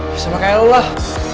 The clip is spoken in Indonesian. bisa pake allah